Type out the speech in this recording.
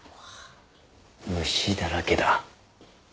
虫だらけだ。